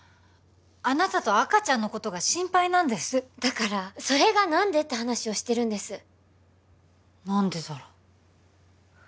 あなたと赤ちゃんのことが心配なんですだからそれが何で？って話をしてるんです何でだろ？